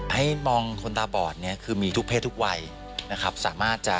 ให้มองคนตาบอดคือมีทุกเพศทุกวัยสามารถจะ